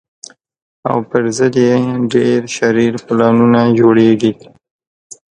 او پر ضد یې ډېر شرير پلانونه جوړېږي